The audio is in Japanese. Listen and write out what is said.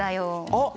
あっ！